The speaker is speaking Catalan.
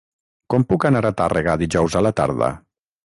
Com puc anar a Tàrrega dijous a la tarda?